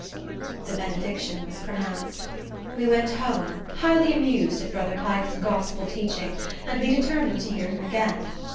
The benediction was pronounced. We went home, highly amused at brother Pike's gospel teaching, and we determined to hear him again.